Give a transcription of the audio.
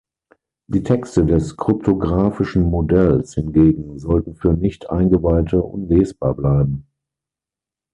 Die Texte des kryptographischen Modells hingegen sollten für nicht Eingeweihte unlesbar bleiben.